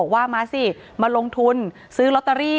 อ๋อเจ้าสีสุข่าวของสิ้นพอได้ด้วย